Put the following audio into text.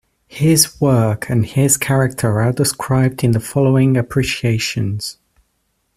His work and his character are described in the following appreciations.